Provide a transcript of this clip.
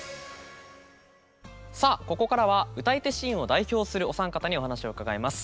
ここからは歌い手シーンを代表するお三方にお話を伺います。